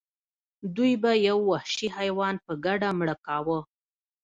دوی به یو وحشي حیوان په ګډه مړه کاوه.